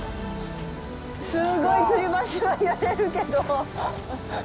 すごいつり橋は揺れるけど。